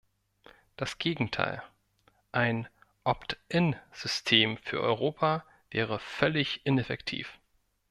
Das Gegenteil, ein "opt-in "System für Europa, wäre völlig ineffektiv.